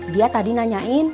dia tadi nanyain